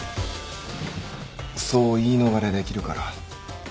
そう言い逃れできるから。